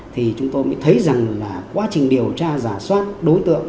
thì chúng tôi mới thấy rằng là quá trình điều tra giả soát đối tượng